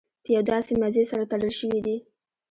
په یو داسې مزي سره تړل شوي دي.